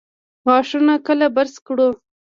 غاښونه کله برس کړو؟